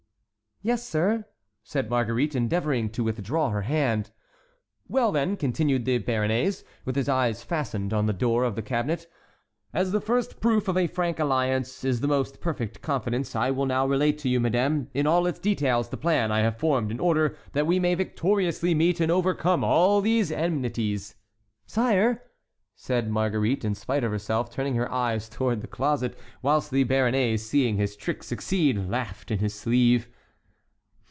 "Yes, sir," said Marguerite, endeavoring to withdraw her hand. "Well, then," continued the Béarnais, with his eyes fastened on the door of the cabinet, "as the first proof of a frank alliance is the most perfect confidence, I will now relate to you, madame, in all its details, the plan I have formed in order that we may victoriously meet and overcome all these enmities." "Sire"—said Marguerite, in spite of herself turning her eyes toward the closet, whilst the Béarnais, seeing his trick succeed, laughed in his sleeve.